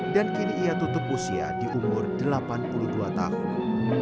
dan kini ia tutup usia di umur delapan puluh dua tahun